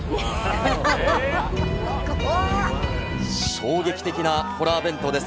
衝撃的なホラー弁当です。